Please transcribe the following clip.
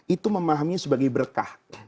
itu memahaminya sebagai berkah